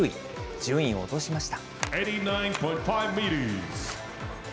順位を落としました。